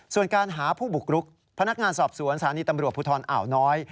ส่วนการหาผู้บุกรุกพนักงานสอบสวนสถานีตำรวจภูทรอ่าวน้อย